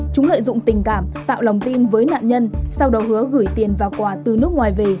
chúng lợi dụng tình cảm tạo lòng tin với nạn nhân sau đó hứa gửi tiền vào quà từ nước ngoài về